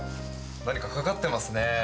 何かかかっていますね。